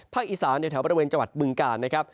ภาคอีสานในแถวบรรเวณเจาะบึงกาลนะครับ